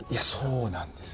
そうなんですよ。